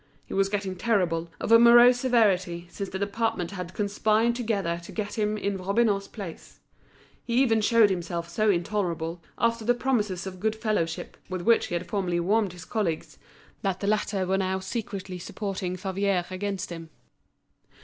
He was getting terrible, of a morose severity, since the department had conspired together to get him into Robineau's place. He even showed himself so intolerable, after the promises of goodfellowship, with which he had formerly warmed his colleagues, that the latter were now secretly supporting Favier against him.